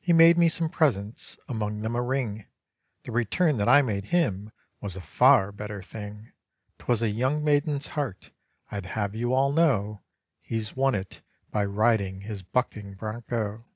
He made me some presents, among them a ring; The return that I made him was a far better thing; 'Twas a young maiden's heart, I'd have you all know; He's won it by riding his bucking broncho.